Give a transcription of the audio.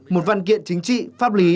một văn kiện chính trị pháp lý